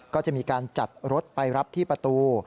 ก็จะมีการจัดรถไปรับที่ประตู